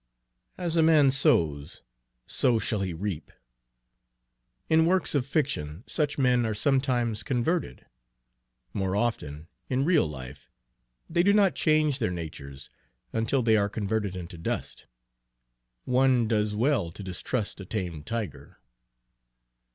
As a man sows, so shall he reap. In works of fiction, such men are sometimes converted. More often, in real life, they do not change their natures until they are converted into dust. One does well to distrust a tamed tiger.